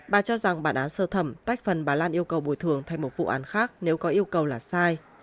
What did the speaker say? bà cho rằng bản án sơ thẩm tách phần bà lan yêu cầu bồi thường thành một vụ án khác nếu có yêu cầu là sai